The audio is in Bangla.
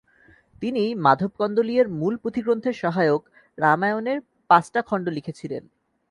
তিনি মাধব কন্দলী-এর মূল পুথিগ্রন্থের সহায়ক রামায়ণ-এর পাঁচটা খণ্ড লিখেছিলেন।